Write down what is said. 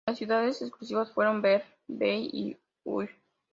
Las ciudades excluidas fueron: Derby, Leicester y Hull.